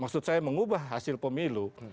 maksud saya mengubah hasil pemilu